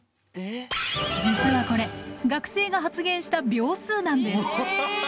実はこれ学生が発言した秒数なんです。